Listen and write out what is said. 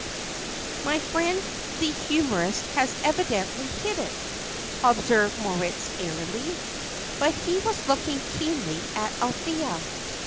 "My friend the humourist has evidently hit it," observed Moritz, airily; but he was looking keenly at Althea.